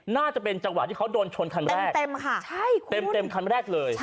น่าจะเป็นการโดนขึ้นขั้นแรก